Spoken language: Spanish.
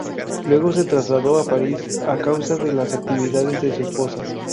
Luego se trasladó a París, a causa de las actividades de su esposa.